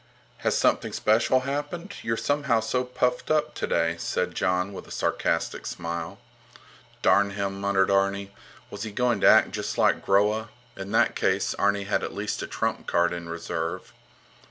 Has something special happened? You're somehow so puffed up today, said Jon with a sarcastic smile. Darn him! muttered Arni. Was he going to act just like Groa? In that case, Arni had at least a trump card in reserve.